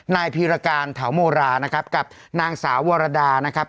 นายพีรการเถาโมรานะครับกับนางสาววรดานะครับ